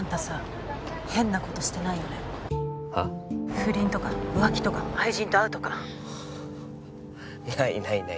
不倫とか浮気とか愛人と会うとかないないないない☎